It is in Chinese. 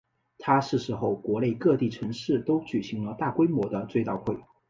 他逝世后国内各地城市都举行了大规模的追悼会。